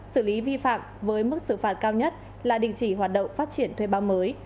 xử lý vi phạm với mức xử phạt cao nhất là đình chỉ hoạt động phát triển thuê bao mới